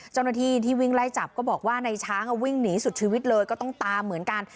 เจ้าหน้าที่ที่วิ่งไล่จับก็บอกว่าในช้างวิ่งหนีสุดชีวิตเลยก็ต้องตามเหมือนกัน